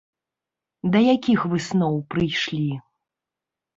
Да якіх высноў прыйшлі?